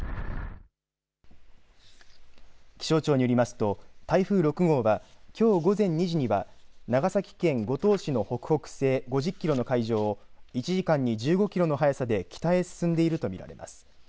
気象庁によりますと、台風６号はきょう午前２時には長崎県五島市の北北西５０キロの海上を１時間に１５キロの速さで北へ進んでいると見られます。